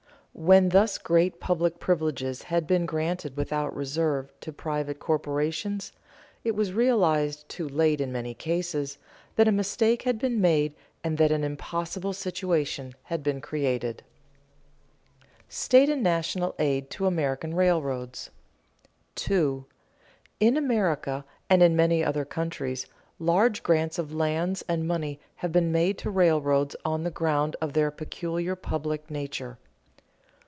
When thus great public privileges had been granted without reserve to private corporations, it was realized, too late in many cases, that a mistake had been made and that an impossible situation had been created. [Sidenote: State and National aid to American railroads] 2. _In America and in many other countries, large grants of lands and money have been made to railroads on the ground of their peculiar public nature.